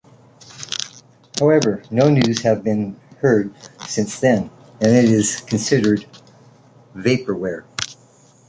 However, no news have been heard since then, and it is considered vaporware.